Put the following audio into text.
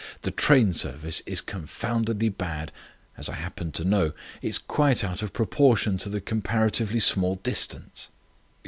The train service is confoundedly bad, as I happen to know. It's quite out of proportion to the comparatively small distance."